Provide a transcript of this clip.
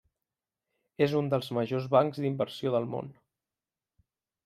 És un dels majors bancs d'inversió del món.